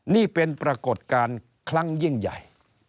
นี่เป็นปรากฏการณ์ครั้งยิ่งใหญ่